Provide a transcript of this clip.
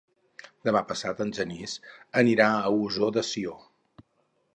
Demà passat en Genís anirà a Ossó de Sió.